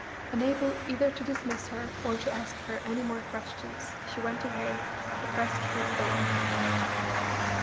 Unable either to dismiss her, or to ask her any more questions, she went away, oppressed with thought.